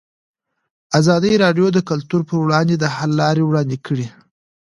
ازادي راډیو د کلتور پر وړاندې د حل لارې وړاندې کړي.